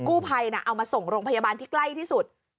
หรือกุภัยน่ะเอามาส่งรงพยาบานที่ใกล้ที่สุด